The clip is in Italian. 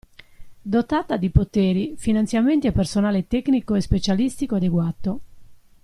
Dotata di poteri, finanziamenti e personale tecnico e specialistico adeguato.